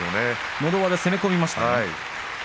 のど輪で攻め込みましたよね。